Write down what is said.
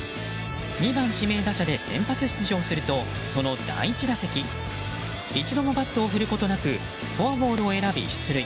２番指名打者で先発出場するとその第１打席一度もバットを振ることなくフォアボールを選び出塁。